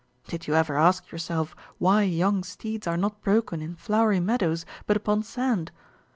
Did you ever ask yourself why young steeds are not broken in flowery meadows, but upon sand?